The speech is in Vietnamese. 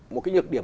một cái nhược điểm